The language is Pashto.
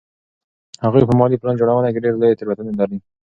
هغوی په مالي پلان جوړونه کې ډېرې لویې تېروتنې لرلې.